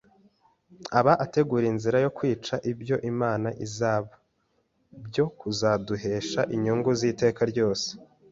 aba ategura inzira yo kwica ibyo Imana isaba byo kuzaduhesha inyungu z’iteka ryose…